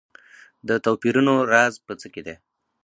د توپیرونو راز په څه کې دی.